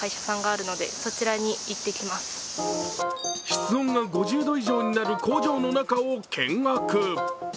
室温が５０度以上になる工場の中を見学。